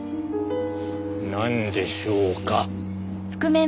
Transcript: なんでしょうか？